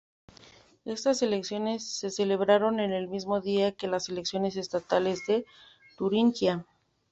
Estas elecciones se celebraron el mismo día que las elecciones estatales de Turingia.